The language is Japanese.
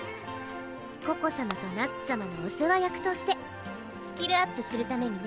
ココ様とナッツ様のお世話役としてスキルアップするためにね！